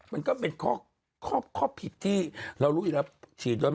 มันก็เป็นข้อผิดที่เรารู้อยู่แล้วฉีดโดย